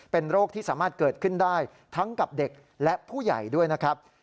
เป็นโรคที่สามารถเกิดขึ้นได้ทั้งกับเด็กและผู้ใหญ่ด้วยนะครับ